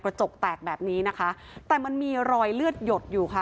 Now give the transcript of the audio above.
กระจกแตกแบบนี้นะคะแต่มันมีรอยเลือดหยดอยู่ค่ะ